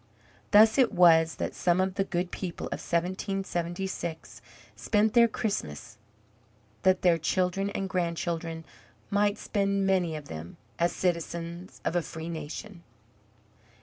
Thus it was that some of the good people of 1776 spent their Christmas, that their children and grandchildren might spend many of them as citizens of a free nation.